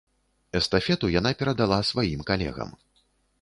Эстафету яна перадала сваім калегам.